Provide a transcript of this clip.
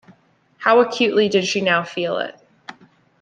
How acutely did she now feel it!